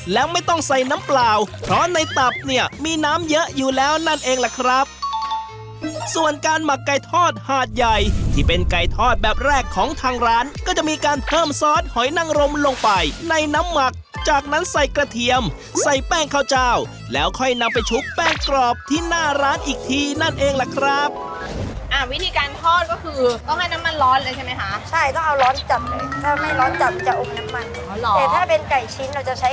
แล้วไม่ต้องใส่น้ำเปล่าเพราะในตับเนี่ยมีน้ำเยอะอยู่แล้วนั่นเองแหละครับส่วนการหมักไก่ทอดหาดใหญ่ที่เป็นไก่ทอดแบบแรกของทางร้านก็จะมีการเพิ่มซอสหอยนั่งรมลงไปในน้ำหมักจากนั้นใส่กระเทียมใส่แป้งข้าวจาวแล้วค่อยนำไปชุบแป้งกรอบที่หน้าร้านอีกทีนั่นเองแหละครับอ่าวิธี